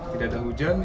tidak ada hujan